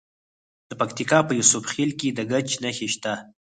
د پکتیکا په یوسف خیل کې د ګچ نښې شته.